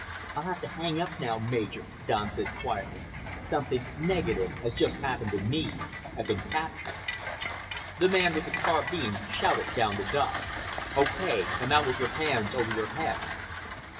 "I'll have to hang up now, Major," Don said quietly. "Something negative has just happened to me. I've been captured." The man with the carbine shouted down to Don, "Okay, come out with your hands over your head."